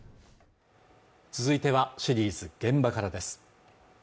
続いてはシリーズ「現場から」です